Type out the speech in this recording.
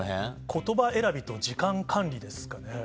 言葉選びと時間管理ですかね。